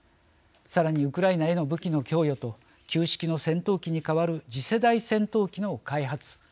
さらに、ウクライナへの武器の供与と旧式の戦闘機に代わる次世代戦闘機の開発